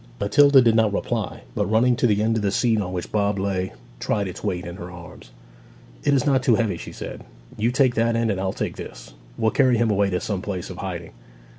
Matilda did not reply, but running to the end of the seat on which Bob lay, tried its weight in her arms. 'It is not too heavy,' she said. 'You take that end, and I'll take this. We'll carry him away to some place of hiding.'